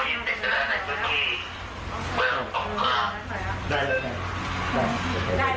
รถแท็กซี่ล่ะเดี๋ยวรอ